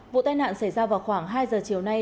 vụ tai nạn xảy ra vào khoảng hai giờ chiều nay